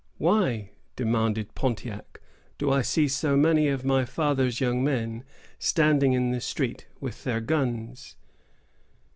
"Why," demanded Pontiac, "do I see so many of my father's young men standing in the street with their guns?"